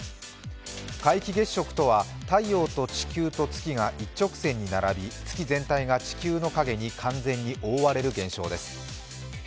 皆既月食とは、太陽と地球と月が一直線に並び月全体が地球の影に完全に覆われる現象です。